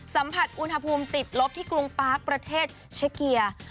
สัมผัสอุณหภูมิติดลบที่กรุงปาร์คประเทศเชเกียร์